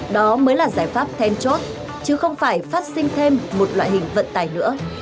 đó mới là giải pháp thêm chốt chứ không phải phát sinh thêm một loại hình